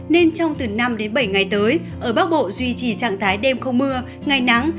nên trong từ năm đến bảy ngày tới ở bắc bộ duy trì trạng thái đêm không mưa ngày nắng